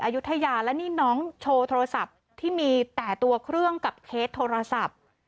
อายุทยาและนี่น้องโชว์โทรศัพท์ที่มีแต่ตัวเครื่องกับเคสโทรศัพท์